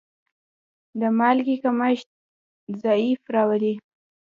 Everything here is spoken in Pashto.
د مالګې کمښت ضعف راولي.